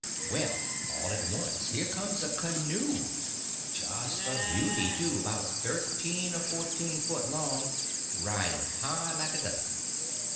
Well, all at once here comes a canoe; just a beauty, too, about thirteen or fourteen foot long, riding high like a duck.